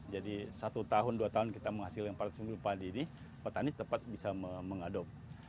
jadi satu tahun dua tahun kita menghasilkan paritas unggul ini petani tepat bisa mengadop